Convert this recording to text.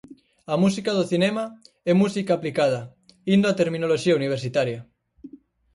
A música do cinema é música aplicada, indo á terminoloxía universitaria.